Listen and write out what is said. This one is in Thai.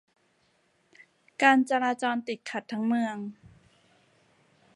การจราจรติดขัดทั้งเมือง